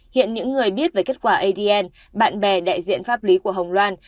hiện những người biết về kết quả adn bạn bè đại diện pháp lý của hồng loan